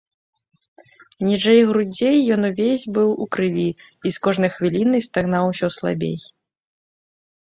Ніжэй грудзей ён увесь быў у крыві і з кожнай хвілінай стагнаў усё слабей.